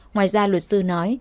ngoài ra luật sư nói